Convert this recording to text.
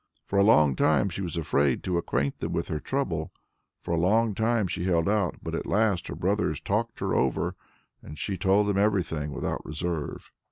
For a long time she was afraid to acquaint them with her trouble, for a long time she held out, but at last her brothers talked her over and she told them everything without reserve.